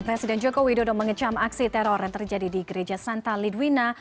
presiden joko widodo mengecam aksi teror yang terjadi di gereja santa lidwina